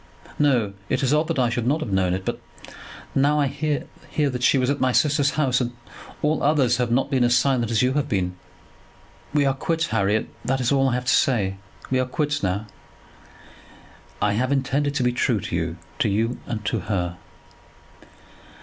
"No. It is odd that I should not have known it, as I now hear that she was at my sister's house; but all others have not been as silent as you have been. We are quits, Harry; that is all that I have to say. We are quits now." "I have intended to be true to you; to you and to her."